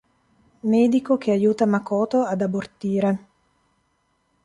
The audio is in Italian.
Medico che aiuta Makoto ad abortire.